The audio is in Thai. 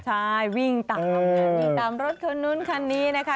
ใช่วิ่งตามวิ่งตามรถคนนู้นคันนี้นะคะ